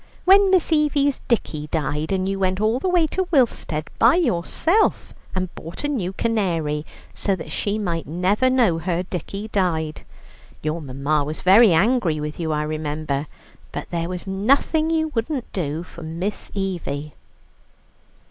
When Miss Evie's dickie died, you went all the way to Willstead by yourself and bought a new canary, so that she might never know her dickie died. Your mamma was very angry with you, I remember; but there was nothing you wouldn't do for Miss Evie."